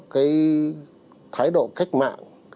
cái thái độ cách mạng